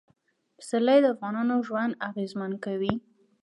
پسرلی د افغانانو ژوند اغېزمن کوي.